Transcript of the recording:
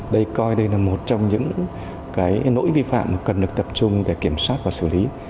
đây coi đây là một trong những lỗi vi phạm cần được tập trung để kiểm soát và xử lý